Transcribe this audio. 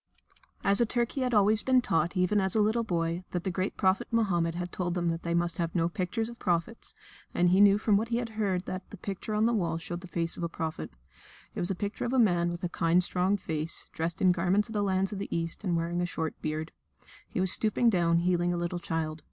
As a Turk he had always been taught, even as a little boy, that the great Prophet Mohammed had told them they must have no pictures of prophets, and he knew from what he had heard that the picture on the wall showed the face of a prophet. It was a picture of a man with a kind, strong face, dressed in garments of the lands of the East, and wearing a short beard. He was stooping down healing a little child.